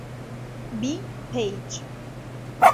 B. Page.